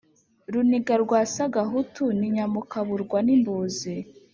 Runiga rwa Sagahutu ni Nyamukaburwa-n’imbûzi